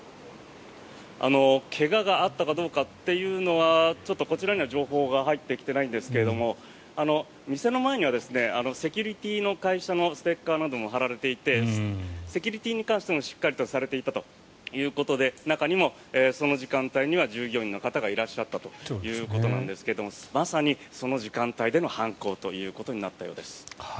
怪我があったかどうかというのはちょっとこちらには情報は入ってきてないんですが店の前にはセキュリティーの会社のステッカーなども貼られていてセキュリティーに関してもしっかりとされていたということで中にもその時間帯には従業員の方がいらっしゃったということなんですがまさに、その時間帯での犯行となったようです。